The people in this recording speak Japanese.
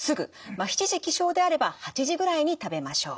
７時起床であれば８時ぐらいに食べましょう。